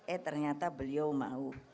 eh ternyata beliau mau